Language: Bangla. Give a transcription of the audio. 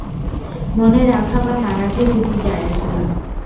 মনে রাখা বা না রাখায় কিছু যায় আসে না।